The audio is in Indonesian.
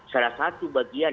salah satu bagian